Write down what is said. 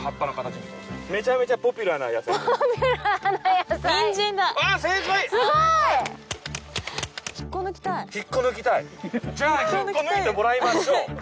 じゃあ引っこ抜いてもらいましょう！